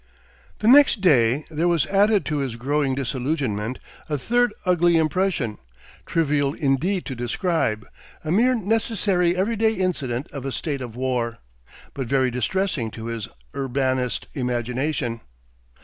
The next day there was added to his growing disillusionment a third ugly impression, trivial indeed to describe, a mere necessary everyday incident of a state of war, but very distressing to his urbanised imagination.